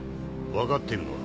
分かっているのは？